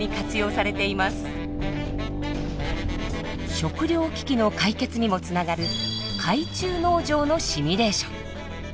食料危機の解決にもつながる海中農場のシミュレーション。